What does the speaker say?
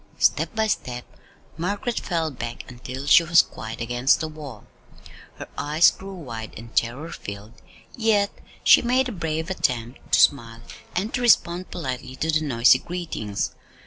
Step by step Margaret fell back until she was quite against the wall. Her eyes grew wide and terror filled, yet she made a brave attempt to smile and to respond politely to the noisy greetings.